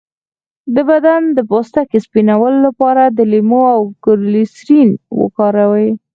د بدن د پوستکي د سپینولو لپاره د لیمو او ګلسرین وکاروئ